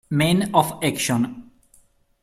Man of Action